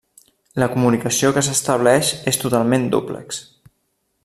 La comunicació que s'estableix és totalment dúplex.